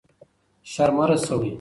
شر مه رسوئ.